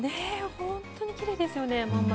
本当にきれいですねまん丸。